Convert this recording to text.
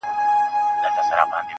گراني دې ځاى كي دغه كار وچاته څه وركوي